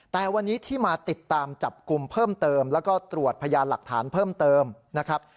แต่วันนี้ที่มาติดตามจับกลุ่มเพิ่มเติมแล้วก็ตรวจพยานหลักฐานเพิ่มเติมนะครับ